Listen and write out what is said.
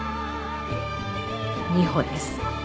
２歩です。